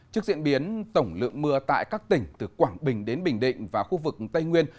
trước diễn biến tổng lượng mưa tại các tỉnh từ quảng bình đến bình định và khu vực tây nguyên